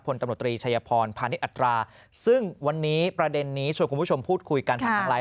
ตำรวจตรีชัยพรพาณิชอัตราซึ่งวันนี้ประเด็นนี้ชวนคุณผู้ชมพูดคุยกันผ่านทางไลน